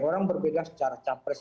orang berbeda secara capres